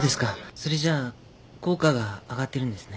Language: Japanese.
それじゃ効果が上がってるんですね？